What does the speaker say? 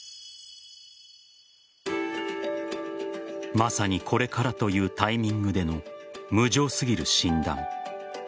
まさにこれからというタイミングでの無情すぎる診断。